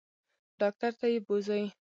ډاکټر ته یې بوزئ.